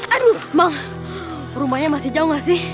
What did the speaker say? aduh emang rumahnya masih jauh gak sih